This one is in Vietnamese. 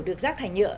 được giác thải nhựa